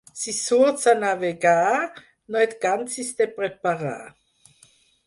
Si surts a navegar, no et cansis de preparar.